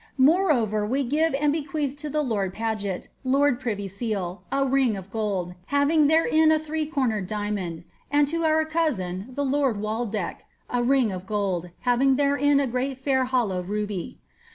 Moreover, we give and bequeath to the lord Paget, lord privy seal, a ring of gold, having therein a three cornered diamond, and » our cousin, the lord Waideck,' a ring of gold, having tlierein a fair great boUov ruby.